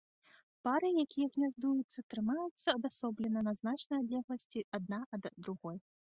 Пары, якія гняздуюцца, трымаюцца адасоблена на значнай адлегласці адна ад другой.